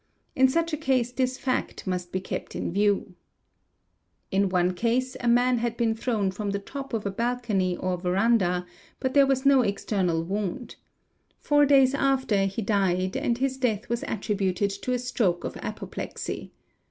In such a case this fact must be kept in View (966 970) | 616 BODILY INJURIES In one case a man had been thrown from the top of a balcony or verandah, but there was no external wound. 'Four days after he died — and his death was attributed to a stroke of apoplexy.